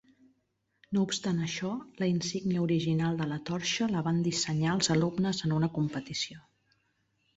No obstant això, la insígnia original de la torxa la van dissenyar els alumnes en una competició.